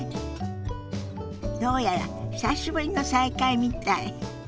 どうやら久しぶりの再会みたい。